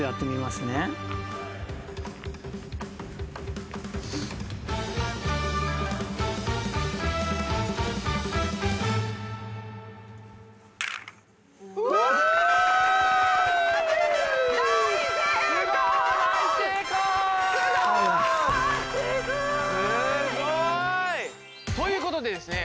すごい！ということでですね